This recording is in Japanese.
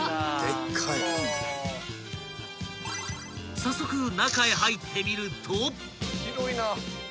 ［早速中へ入ってみると］